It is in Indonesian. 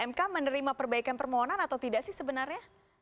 mk menerima perbaikan permohonan atau tidak sih sebenarnya